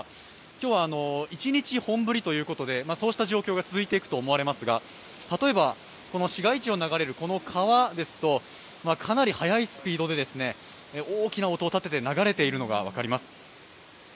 今日は一日本降りということで、そうした状況が続いていくと思われますが、例えば、市街地を流れるこの川ですと、かなり速いスピードで大きな音を立てて流れているのが分かります。